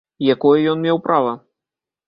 Якое ён меў права?